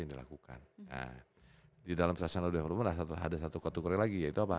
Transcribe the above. nah di dalam sustainable development ada satu kategori lagi yaitu apa